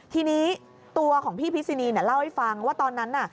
ทีนี้ตัวของพี่พิษินีเล่าให้ฟังว่าตอนนั้นน่ะ